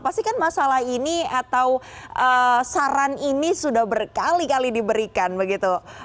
pasti kan masalah ini atau saran ini sudah berkali kali diberikan begitu